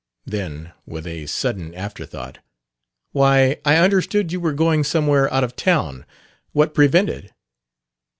Then, with a sudden afterthought: "Why, I understood you were going somewhere out of town. What prevented?"